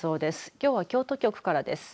きょうは京都局からです。